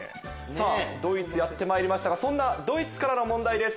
ドイツやってまいりましたがドイツからの問題です